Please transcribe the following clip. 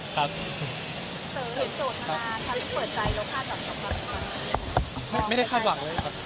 เธอเห็นโสดนานาทำให้เปิดใจแล้วคาดหวังของพี่ก้าว